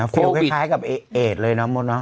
โควิดฟิลล์คล้ายกับเอดเลยเนอะหมดเนอะ